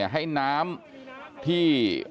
ให้น้ำที่